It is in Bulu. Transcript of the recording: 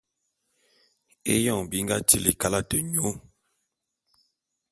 Éyoñ bi nga tili kalate nyô.